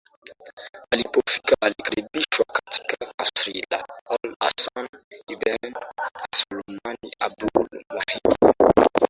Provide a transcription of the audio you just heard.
alipofika alikaribishwa katika kasri la al Hasan ibn Sulaiman Abul Mawahib